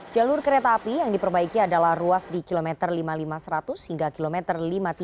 jalur kereta api yang diperbaiki adalah ruas di kilometer lima puluh lima seratus hingga kilometer lima puluh tiga